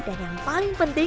dan yang paling penting